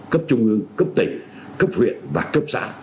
cấp trung ương cấp tỉnh cấp huyện và cấp xã